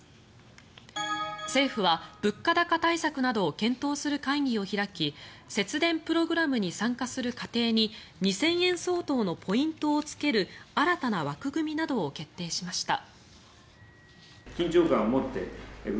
政府は物価高対策などを検討する会議を開き節電プログラムに参加する家庭に２０００円相当のポイントをつける新たな枠組みなどを決定しました。